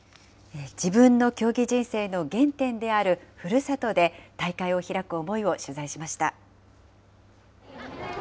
自分の競技人生の原点であるふるさとで大会を開く思いを取材しました。